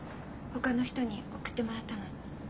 ほかの人に送ってもらったの。